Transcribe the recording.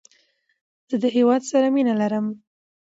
زه د هیواد سره مینه لرم.